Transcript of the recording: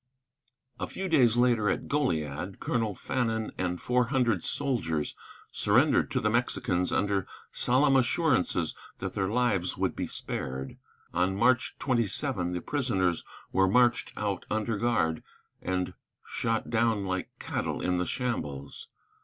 A few days later, at Goliad, Colonel Fannin and four hundred soldiers surrendered to the Mexicans under solemn assurances that their lives would be spared. On March 27 the prisoners were marched out under guard and shot down like cattle in the shambles.